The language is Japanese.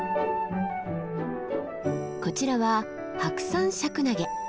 こちらはハクサンシャクナゲ。